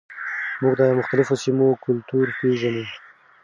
موږ د مختلفو سیمو کلتور پیژنو.